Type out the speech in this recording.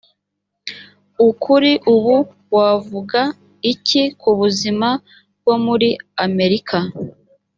ukuri ubu wavuga iki ku buzima bwo muri amerika